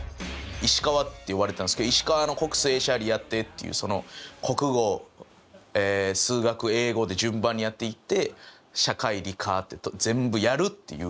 石川って呼ばれてたんですけど「石川の国数英社理やって」っていうその国語数学英語で順番にやっていって社会理科って全部やるっていう。